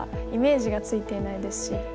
イメージがついていないですし。